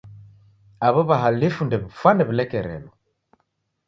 Aw'o w'ahalifu ndew'ifwane w'ilekerelo.